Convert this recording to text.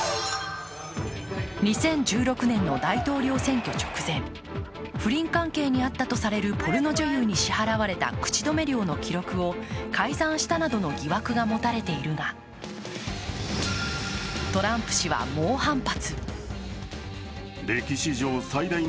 ２０１６年の大統領選挙直前不倫関係にあったとされるポルノ女優に支払われた口止め料の記録を改ざんしたなどの疑惑が持たれているが、トランプ氏は猛反発。